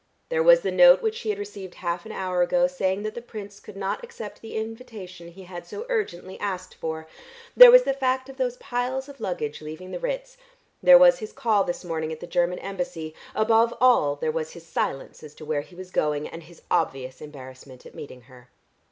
There was the note which she had received half an hour ago saying that the Prince could not accept the invitation he had so urgently asked for; there was the fact of those piles of luggage leaving the Ritz; there was his call this morning at the German Embassy, above all there was his silence as to where he was going and his obvious embarrassment at meeting her.